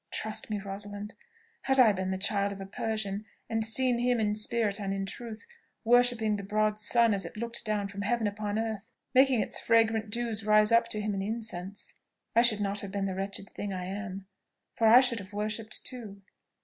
Trust me, Rosalind, had I been the child of a Persian, and seen him, in spirit and in truth, worshipping the broad sun as it looked down from heaven upon earth, making its fragrant dews rise up to him in incense, I should not have been the wretched thing I am, for I should have worshipped too."